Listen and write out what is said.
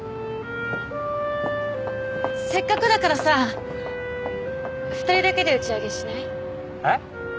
せっかくだからさ２人だけで打ち上げしない？えっ？